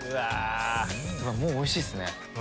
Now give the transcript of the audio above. もうおいしいっすね。